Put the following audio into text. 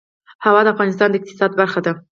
هوا د افغانستان د اقتصاد برخه ده.